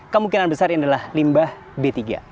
kemungkinan besar ini adalah limbah b tiga